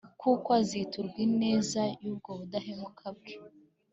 kuko aziturwa ineza y'ubwo budahemuka bwe